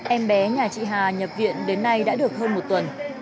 em bé nhà chị hà nhập viện đến nay đã được hơn một tuần